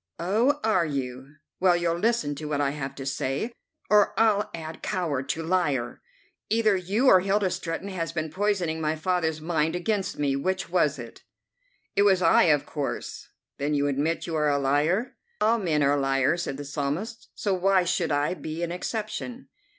"Oh, are you? Well, you'll listen to what I have to say, or I'll add 'coward' to 'liar.' Either you or Hilda Stretton has been poisoning my father's mind against me. Which was it?" "It was I, of course." "Then you admit you are a liar?" "'All men are liars,' said the Psalmist, so why should I be an exception?"